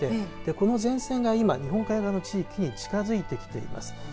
この前線が今、日本海側の地域に近づいてきています。